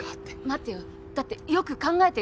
待ってよだってよく考えてよ。